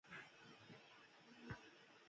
ډېرو شتمنو امريکايانو غوښتل چې ستر تشکيلات جوړ کړي.